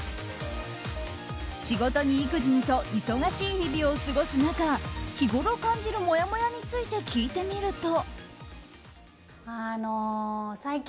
仕事に育児にと忙しい日々を過ごす中日ごろ感じるもやもやについて聞いてみると。